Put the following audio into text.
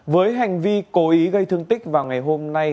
với hành vi cố ý gây thương tích vào ngày hôm nay